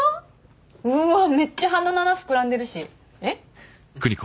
うわめっちゃ鼻の穴膨らんでるしえっ？